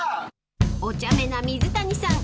［おちゃめな水谷さん。